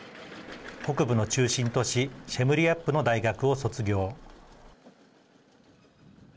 北部の中心都市シェムリアップの大学を卒業。